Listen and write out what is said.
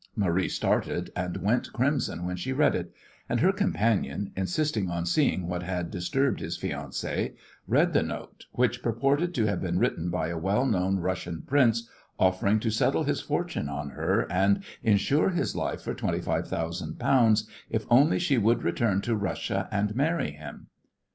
Marie started and went crimson when she read it, and her companion, insisting on seeing what had disturbed his fiancée, read the note, which purported to have been written by a well known Russian prince offering to settle his fortune on her and insure his life for £25,000 if only she would return to Russia and marry him.